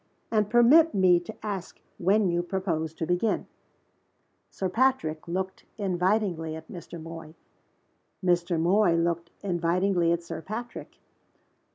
"And permit me to ask when you propose to begin?" Sir Patrick looked invitingly at Mr. Moy. Mr. Moy looked invitingly at Sir Patrick.